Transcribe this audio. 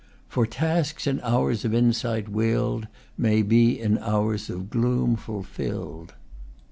"For tasks in hours of insight willed May be in hours of gloom fulfilled."